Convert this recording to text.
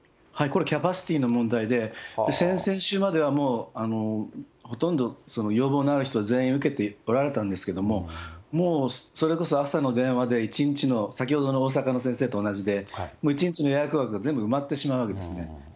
これ、キャパシティーの問題で、先々週までは、ほとんど要望のある人全員受けておられたんですけれども、もうそれこそ朝の電話で一日の、先ほどの大阪の先生と同じで、もう１日の予約枠、全部埋まってしまうわけですね。